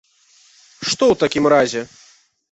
Што ў такім разе?